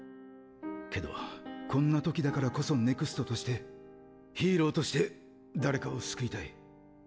けどこんな時だからこそＮＥＸＴとしてヒーローとして誰かを救いたい。！